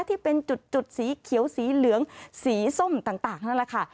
ที่เป็นจุดสีเขียวสีเหลืองสีส้มต่างนั่นแหละค่ะ